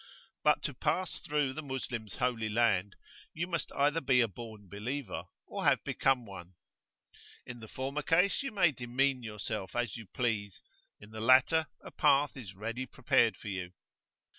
But to pass through the Moslem's Holy Land, you must either be a born believer, or have become one; in the former case you may demean yourself as you please, in the latter a path is ready prepared for you.